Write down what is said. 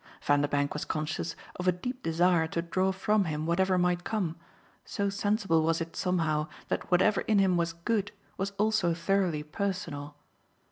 Vanderbank was conscious of a deep desire to draw from him whatever might come; so sensible was it somehow that whatever in him was good was also thoroughly personal.